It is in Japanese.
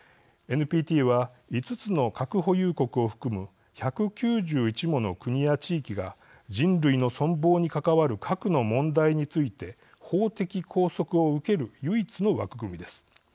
ＮＰＴは、５つの核保有国を含む１９１もの国や地域が人類の存亡に関わる核の問題について法的拘束を受ける唯一の枠組みです。